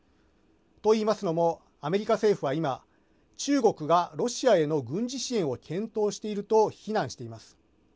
と言いますのもアメリカ政府は今中国がロシアへの軍事支援を検討していると非難しています。